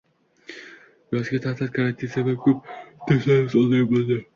Yozgi taʼtil, karantin sabab koʻp darslarimiz onlayn boʻldi.